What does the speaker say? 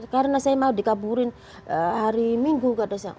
karena saya mau dikaburin hari minggu kata saya